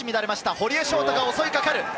堀江翔太が襲いかかる！